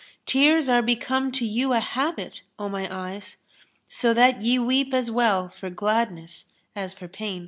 Tears are become to you a habit, O my eyes, * So that ye weep as well for gladness as for pain.''